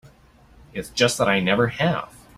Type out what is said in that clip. It's just that I never have.